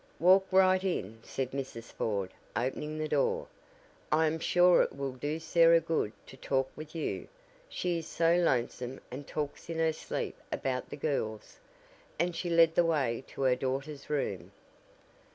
"Walk right in," said Mrs. Ford, opening the door. "I am sure it will do Sarah good to talk with you. She is so lonesome and talks in her sleep about the girls," and she led the way to her daughter's room.